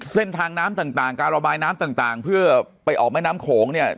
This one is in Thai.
เส้นทางน้ำต่างการระบายน้ำต่างเพื่อไปออกแม่น้ำโขงเนี่ย